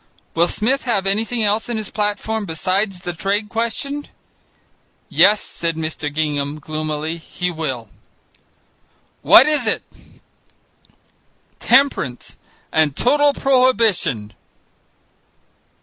"Will Smith have anything else in his platform besides the trade question?" "Yes," said Mr. Gingham gloomily, "he will." "What is it?" "Temperance and total prohibition!"